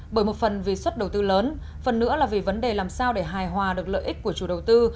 bởi một phần vì suất đầu tư lớn phần nữa là vì vấn đề làm sao để hài hòa được lợi ích của chủ đầu tư